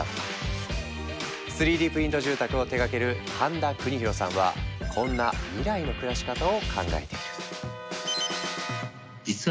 ３Ｄプリント住宅を手がける飯田国大さんはこんな未来の暮らし方を考えている。